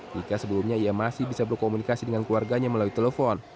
jika sebelumnya ia masih bisa berkomunikasi dengan keluarganya melalui telepon